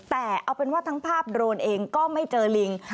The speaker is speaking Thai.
แต่เอาเป็นว่าทั้งภาพโดรนเองก็ไม่เจอลิง